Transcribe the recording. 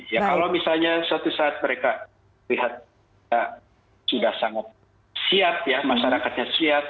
ya kalau misalnya suatu saat mereka lihat sudah sangat siap ya masyarakatnya siap